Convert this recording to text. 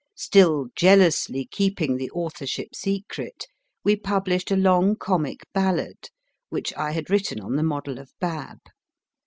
Still jealously keeping the authorship secret, we published a long comic ballad which I had written on the model of Bab.